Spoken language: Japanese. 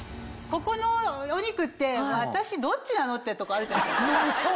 ここのお肉って「私どっちなの？」ってとこあるじゃないですか。